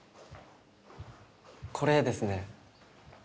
これですね。